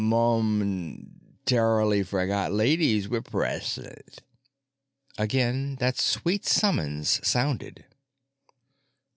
Mom'ntarily f'rgot ladies were present." Again that sweet summons sounded.